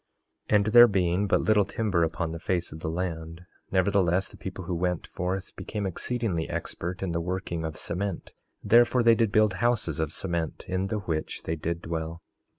3:7 And there being but little timber upon the face of the land, nevertheless the people who went forth became exceedingly expert in the working of cement; therefore they did build houses of cement, in the which they did dwell.